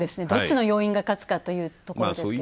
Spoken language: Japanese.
どっちの要因が勝つかというところですね。